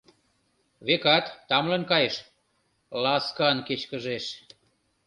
Векат, тамлын кайыш, ласкан кечкыжеш.